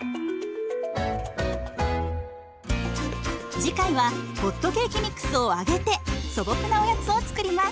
次回はホットケーキミックスを揚げて素朴なおやつを作ります。